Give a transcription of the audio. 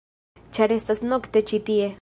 ĉar estas nokte ĉi tie-.